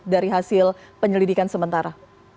dari hasil penyelidikan sementara